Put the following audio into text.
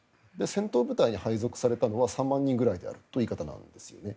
戦闘部隊に配属されたのは３万人くらいという言い方なんですね。